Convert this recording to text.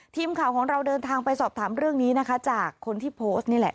ทีมข่าวของเราเดินทางไปสอบถามเรื่องนี้นะคะจากคนที่โพสต์นี่แหละ